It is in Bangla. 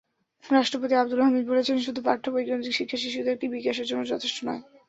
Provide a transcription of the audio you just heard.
রাষ্ট্রপতি আবদুল হামিদ বলেছেন, শুধু পাঠ্যবইকেন্দ্রিক শিক্ষা শিশুদের বিকাশের জন্য যথেষ্ট নয়।